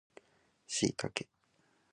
シイタケ